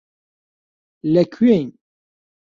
لەکوێین؟